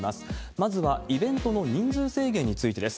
まずはイベントの人数制限についてです。